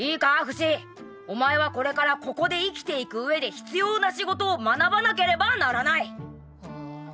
フシお前はこれからここで生きていくうえで必要な仕事を学ばなければならない。